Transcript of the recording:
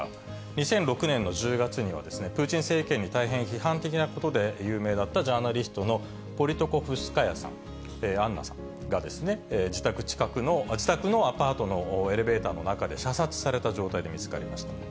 ２００６年の１０月には、プーチン政権に大変批判的なことで有名だったジャーナリストのポリトコフスカヤさん、アンナさんが、自宅のアパートのエレベーターの中で射殺された状態で見つかりました。